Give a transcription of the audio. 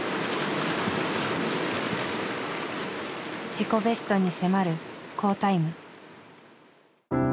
自己ベストに迫る好タイム。